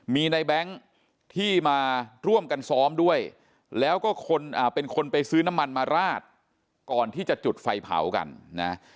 มีในแบงค์ที่มาร่วมกันซ้อมด้วยแล้วก็คนเป็นคนไปซื้อน้ำมันมาราดก่อนที่จะจุดไฟเผากันนะ